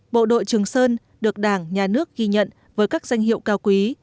bộ đội trường sơn được đảng nhà nước ghi nhận với các danh hiệu cao quý